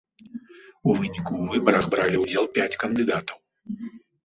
У выніку ў выбарах бралі ўдзел пяць кандыдатаў.